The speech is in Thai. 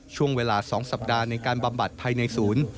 ช่วงเวลา๒สัปดาห์ในการบำบัดภายในศูนย์